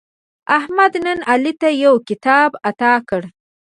احمد نن علي ته یو کتاب اعطا کړ.